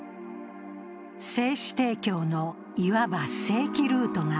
精子提供のいわば正規ルートが